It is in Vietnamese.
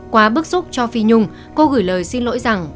quá bức xúc cho phi nhung cô gửi lời xin lỗi rằng